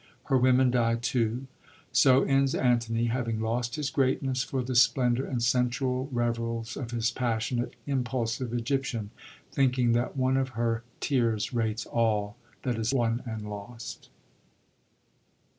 Her women die too. So ends Antony, having lost his great ness for the splendor and sensual revels of this passion ate, impulsive Egyptian, thinking that one of her tears rates all that is* won and lost.